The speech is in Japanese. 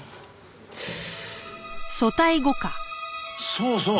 そうそう。